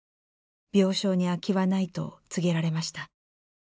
病床に空きはないと告げられました。